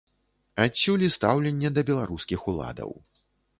Адсюль і стаўленне да беларускіх уладаў.